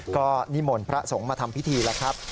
ก็นิมนต์พระสงฆ์มาทำพิธีแล้วครับ